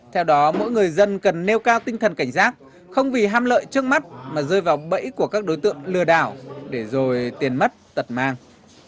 theo đó mỗi người dân cần nêu cao tinh thần cảnh giác không vì ham lợi trước mắt mà rơi vào bẫy của các đối tượng lừa đảo để rồi tiền mất tật mang